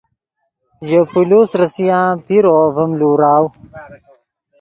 ژے پولیس ریسان پیرو ڤیم لوراؤ